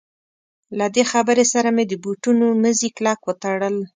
له دې خبرې سره مې د بوټونو مزي کلک وتړل.